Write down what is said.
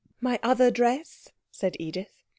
'My Other Dress,' said Edith.